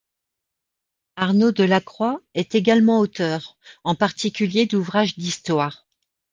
Arnaud de la Croix est également auteur, en particulier d'ouvrages d'histoire.